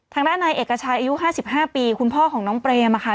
ทางด้านในเอกชายอายุห้าสิบห้าปีคุณพ่อของน้องเปรมอ่ะค่ะ